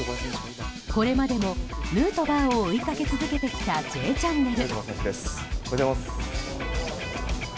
これまでもヌートバーを追いかけ続けてきた「Ｊチャンネル」。